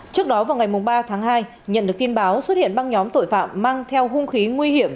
trước đó vào ngày ba tháng hai nhận được tin báo xuất hiện băng nhóm tội phạm mang theo hung khí nguy hiểm